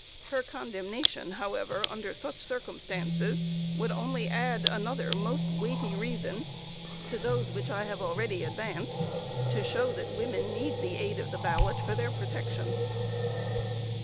Her condemnation, however, under such circumstances, would only add another most weighty reason to those which I have already advanced, to show that women need the aid of the ballot for their protection.